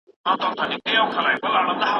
خلګ بايد هيڅکله له سياسي بهير څخه څنډي ته نه سي.